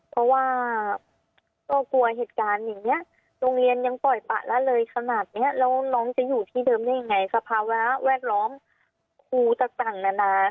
เพราะว่าก็กลัวเหตุการณ์อย่างนี้โรงเรียนยังปล่อยปะละเลยขนาดเนี้ยแล้วน้องจะอยู่ที่เดิมได้ยังไงสภาวะแวดล้อมครูต่างนานา